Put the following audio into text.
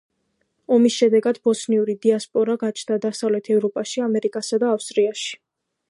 ომის შედეგად ბოსნიური დიასპორა გაჩნდა დასავლეთ ევროპაში, ამერიკასა და ავსტრალიაში.